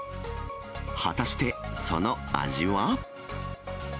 果たしてその味は？